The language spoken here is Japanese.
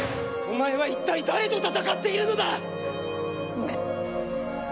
お前は一体誰と戦っているのだ⁉ごめん。